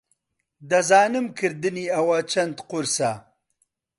دەزانم کردنی ئەوە چەند قورسە.